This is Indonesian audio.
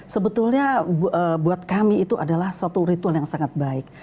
sebetulnya buat kami itu adalah suatu ritual yang sangat baik